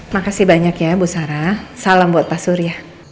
makasih banyak ya bu sarah salam buat pak surya